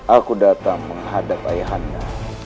aku datang menghadap ayah anda